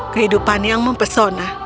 kehidupan yang mempesona